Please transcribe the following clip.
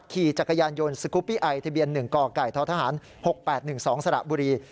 ขี่จักรยานยนต์สกุปปี้ไอทะเบียน๑กไก่ททหาร๖๘๑๒สระบุรี